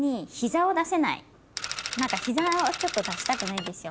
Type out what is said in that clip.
膝をちょっと出したくないんですよ。